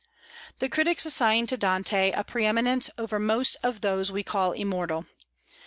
The critics assign to Dante a pre eminence over most of those we call immortal.